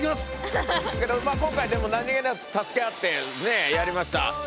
今回でも何気なく助け合ってねやりました。